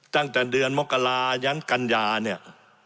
ตั้งแต่เดือนมกลายันกัญญาเนี่ย